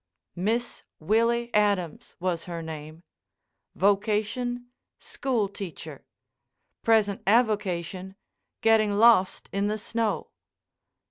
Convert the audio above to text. Miss Willie Adams was her name. Vocation, school teacher. Present avocation, getting lost in the snow.